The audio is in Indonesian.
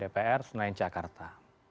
dari dpr senayan jakarta